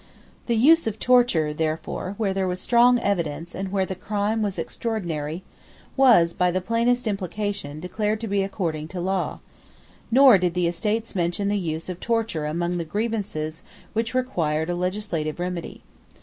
The use of torture, therefore, where there was strong evidence, and where the crime was extraordinary, was, by the plainest implication, declared to be according to law; nor did the Estates mention the use of torture among the grievances which required a legislative remedy.